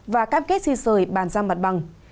và cam kết di sời bàn ra mặt bằng